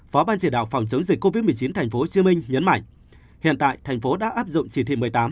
phó ban chỉ đạo phòng chống dịch covid một mươi chín thành phố hồ chí minh nhấn mạnh hiện tại thành phố đã áp dụng chỉ thị một mươi tám